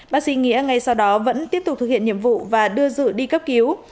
bác sĩ nghĩa ngay sau đó vẫn tiếp tục thực hiện nhiệm vụ và đưa dự đi cấp cứu